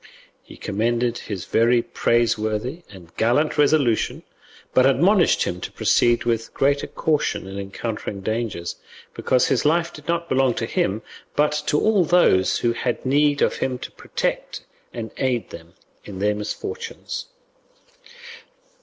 He commended his very praiseworthy and gallant resolution, but admonished him to proceed with greater caution in encountering dangers, because his life did not belong to him, but to all those who had need of him to protect and aid them in their misfortunes.